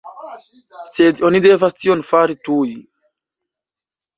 Sed oni devas tion fari tuj!